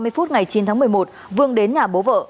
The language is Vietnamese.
ba mươi phút ngày chín tháng một mươi một vương đến nhà bố vợ